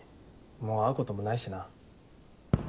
もう会うこともないしな。